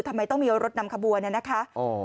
ทำไมต้องมีรถนำขบวนเนี่ยนะคะ